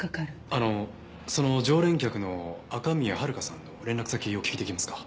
あのその常連客の赤宮遥さんの連絡先お聞きできますか？